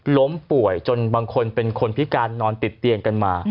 ล้มป่วยจนบางคนเป็นคนพิการนอนติดเตียงกันมา